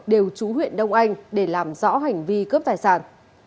đều chú huyện đông anh để làm rõ hành vi cướp tài sản